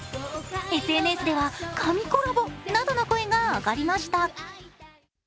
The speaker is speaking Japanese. ＳＮＳでは神コラボなどの声が上がりました。